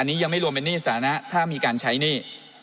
อันนี้ยังไม่รวมเป็นหนี้สานะถ้ามีการใช้หนี้